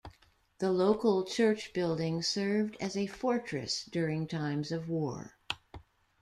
The local church building served as a fortress during times of war.